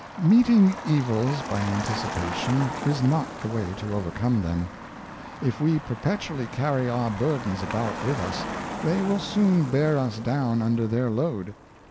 Meeting evils by anticipation is not the way to over come them. If we perpetually carr}' our burdens about with us, they will soon bear us down under their load.